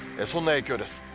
そんな影響です。